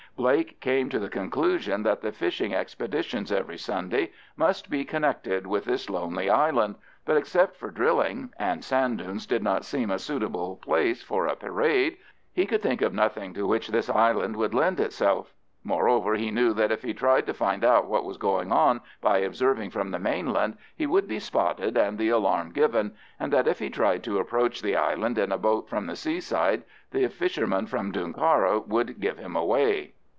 Blake came to the conclusion that the fishing expeditions every Sunday must be connected with this lonely island; but except for drilling—and sand dunes did not seem a suitable place for a parade—he could think of nothing to which this island would lend itself. Moreover, he knew that if he tried to find out what was going on by observing from the mainland, he would be spotted and the alarm given, and that if he tried to approach the island in a boat from the seaside the fishermen from Dooncarra would give him away.